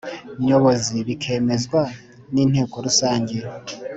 Nyobozi bikemezwa n inteko rusange